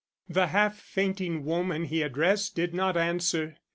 The half fainting woman he addressed did not answer.